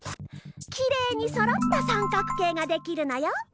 きれいにそろったさんかく形ができるのよ。